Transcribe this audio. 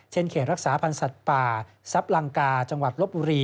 เขตรักษาพันธ์สัตว์ป่าซับลังกาจังหวัดลบบุรี